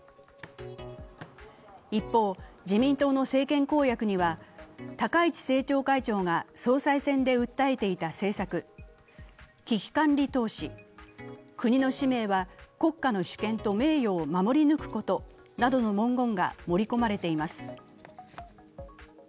一方、自民党の政権公約には高市政調会長が総裁選で訴えていた政策、危機管理投資、国の使命は国家の主権と名誉を守り抜くことなどの文言が盛り込まれています。